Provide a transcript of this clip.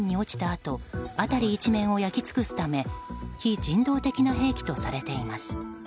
あと辺り一面を焼き尽くすため非人道的な兵器とされています。